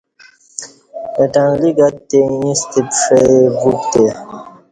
اہ ٹنگلیک اتتے اییستہ پݜئ وُپتے